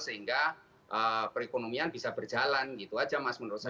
sehingga perekonomian bisa berjalan gitu aja mas menurut saya